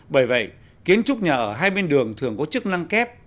bởi vậy kiến trúc nhà ở hai bên đường thường có chức năng kép